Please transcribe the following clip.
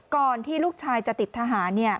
ก่อนที่ลูกชายจะติดทหาร